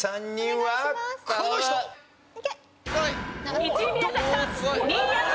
はい。